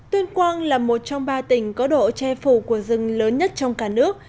tuyên quang là một trong ba tỉnh có độ che phủ của rừng lớn nhất trong cả nước